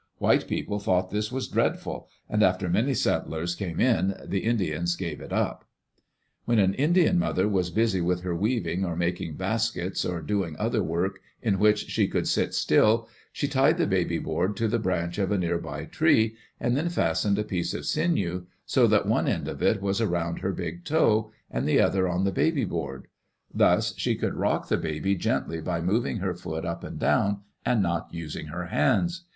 White people thought this was dreadful, and after many settlers came in the Indians gave it up. When an Indian mother was busy with her weaving or making baskets or doing other work in which she could sit still, she tied the baby board to the branch of a near by tree, and then fastened a piece of sinew so that one end Digitized by Google EARLY DAYS IN OLD OREGON of it was around her big toe and the other on die baby board. Thus she could rock the baby gently by moving her foot up and down and not using her hands.